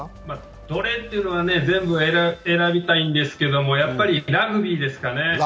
どれっていうのは、全部選びたいんですけどやっぱりラグビーですかね。